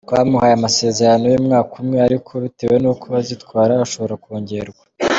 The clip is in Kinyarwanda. Twamuhaye amasezerano y’umwaka umwe ariko bitewe n’uko azitwara ushobora kongerwa.